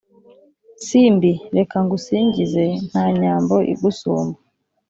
Simbi reka ngusimbize Nta nyambo igusumba